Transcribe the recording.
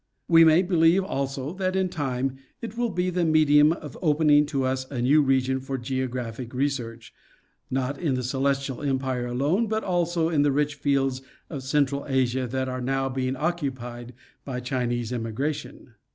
We may believe, also, that in time it will be the medium of opening to us a new region for geographic research, not in the celestial empire alone, but also in the rich fields of central Asia that are now being occupied by Chinese emigration.